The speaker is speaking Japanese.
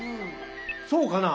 そうかな？